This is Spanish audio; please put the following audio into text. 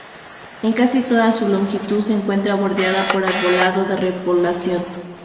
En casi toda su longitud se encuentra bordeada por arbolado de repoblación.